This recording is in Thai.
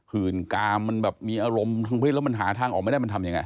หื่นกามมันแบบมีอารมณ์ทางเพศแล้วมันหาทางออกไม่ได้มันทำยังไง